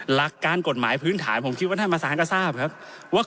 หลักการกฎหมายพื้นฐานผมคิดว่าท่านประธานก็ทราบครับว่า